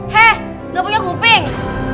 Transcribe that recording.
hei gak punya kuping